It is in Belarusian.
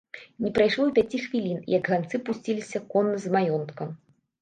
Не прайшло і пяці хвілін, як ганцы пусціліся конна з маёнтка.